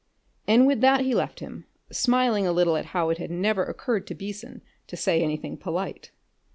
and with that he left him, smiling a little at how it had never occurred to Beason to say anything polite.